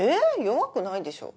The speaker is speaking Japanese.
弱くないでしょ。